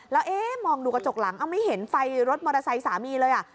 แล้วเอ๊ะมองดูกระจกหลังไม่เห็นไฟรถมอเตอร์ไซค์สามีเลย